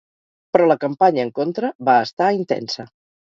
Però la campanya en contra va estar intensa.